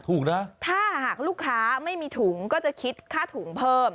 ถูกนะถ้าหากลูกค้าไม่มีถุงก็จะคิดค่าถุงเพิ่ม